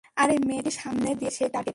আরে, মেয়েটি সামনে দিয়ে যাচ্ছে, সেই টার্গেট।